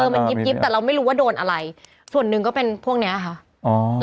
มันยิบยิบแต่เราไม่รู้ว่าโดนอะไรส่วนหนึ่งก็เป็นพวกเนี้ยค่ะอ๋อ